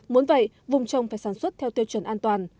muốn vậy vùng trồng phải sản xuất theo tiêu chuẩn an toàn